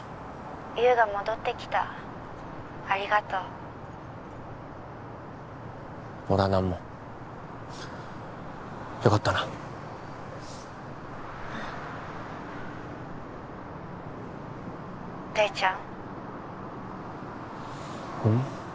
☎優が戻ってきたありがとう俺は何もよかったな☎大ちゃんうん？